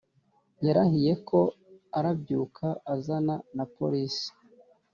Yarahiye ko arabyuka azana na police